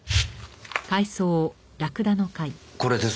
これです。